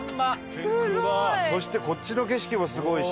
すごい！そしてこっちの景色もすごいし。